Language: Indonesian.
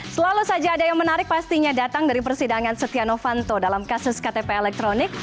selalu saja ada yang menarik pastinya datang dari persidangan setia novanto dalam kasus ktp elektronik